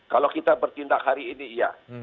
kalau kita bertindak hari ini iya